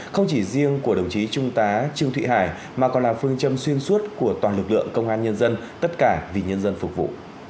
không chỉ riêng của đồng chí trung tá trương thị hải mà còn là phương châm xuyên suốt của toàn lực lượng công an nhân dân tất cả vì nhân dân phục vụ